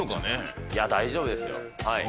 いや、大丈夫ですよ。